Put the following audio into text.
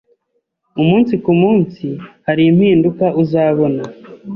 umunsi ku munsi hari impinduka uzabona